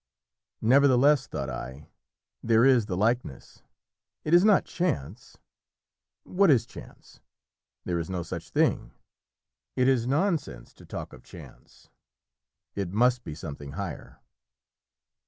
"Nevertheless," thought I, "there is the likeness. It is not chance. What is chance? There is no such thing; it is nonsense to talk of chance. It must be something higher!"